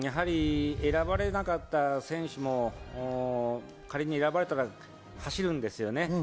選ばれなかった選手も仮に選ばれたら走るんです。